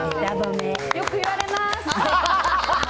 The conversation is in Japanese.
よく言われます。